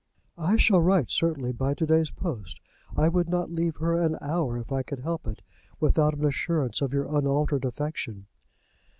"I shall write, certainly, by to day's post. I would not leave her an hour, if I could help it, without an assurance of your unaltered affection."